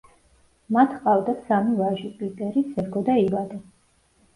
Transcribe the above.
მათ ჰყავდათ სამი ვაჟი: პიტერი, სერგო და ივანე.